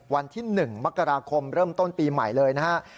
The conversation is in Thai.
วันที่๑มกราคมเริ่มต้นปีใหม่เลยนะครับ